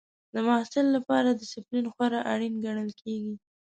د محصل لپاره ډسپلین خورا اړین ګڼل کېږي.